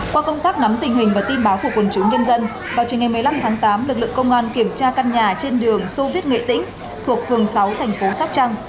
qua công tác nắm tình hình và tin báo của quân chúng nhân dân vào trình ngày một mươi năm tháng tám lực lượng công an kiểm tra căn nhà trên đường sô viết nghệ tĩnh thuộc phường sáu thành phố sóc trăng